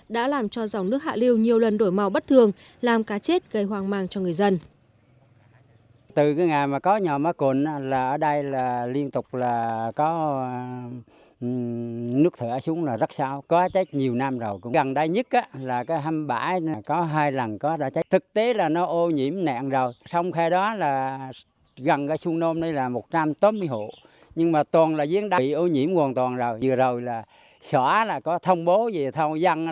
đã làm cho dòng nước hạ liêu nhiều lần đổi màu bất thường làm cá chết gây hoang mang cho người dân